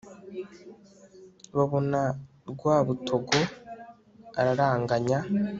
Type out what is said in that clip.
Babona Rwabutogo araranganya